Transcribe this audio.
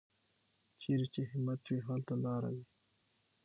چېرې چې همت وي، هلته لاره وي.